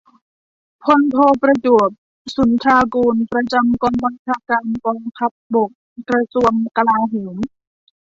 พลโท ประจวบ สุนทรางกูร ประจำกองบัญชาการกองทัพบก กระทรวงกลาโหม